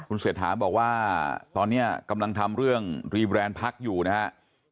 เศรษฐาบอกว่าตอนนี้กำลังทำเรื่องรีแบรนด์พักอยู่นะครับ